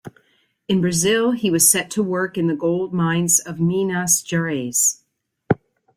In Brazil he was set to work in the gold mines of Minas Gerais.